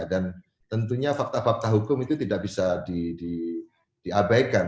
dan tentunya fakta fakta hukum itu tidak bisa diabaikan